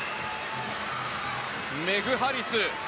メグ・ハリス。